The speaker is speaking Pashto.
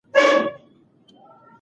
ثمر ګل د خپل زوی سر ور ښکل کړ.